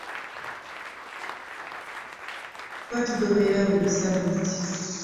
Tuba tugoberera buli ssabbiiti.